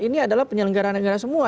ini adalah penyelenggara negara semua